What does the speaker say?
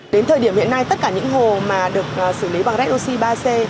đến thời điểm hiện nay tất cả những hồ mà được xử lý bằng redoxi ba c